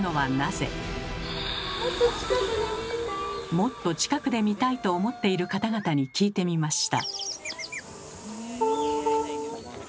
もっと近くで見たいと思っている方々に聞いてみました。